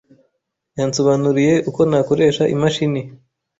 Yansobanuriye uko nakoresha imashini.